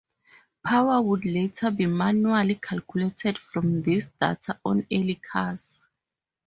Power would later be manually calculated from these data on early cars.